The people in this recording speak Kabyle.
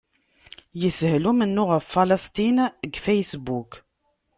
Yeshel umennuɣ ɣef Falesṭin deg Facebook.